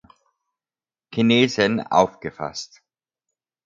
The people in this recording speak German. Chinesen, aufgefasst.